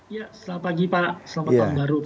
iya selamat pagi pak selamat tahun baru pak